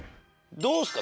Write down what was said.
どうですか？